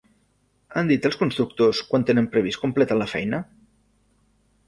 Han dit els constructors quan tenen previst completar la feina?